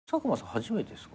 初めてですか？